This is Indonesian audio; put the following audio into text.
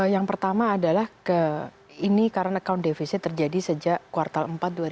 yang pertama adalah ini karena account deficit terjadi sejak kuartal empat dua ribu